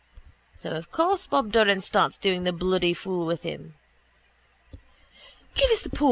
So of course Bob Doran starts doing the bloody fool with him: —Give us the paw!